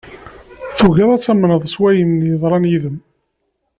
Tugiḍ ad tamneḍ s wayen yeḍran yid-m.